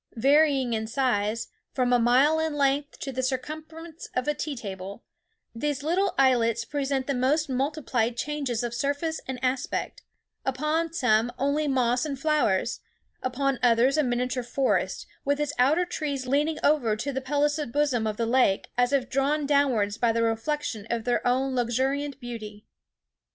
Varying in size, from a mile in length to the circumference of a tea table, these little islets present the most multiplied changes of surface and aspect—upon some only moss and flowers, upon others a miniature forest, with its outer trees leaning over to the pellucid bosom of the lake, as if drawn downwards by the reflection of their own luxuriant beauty.